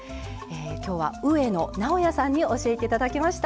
きょうは上野直哉さんに教えていただきました。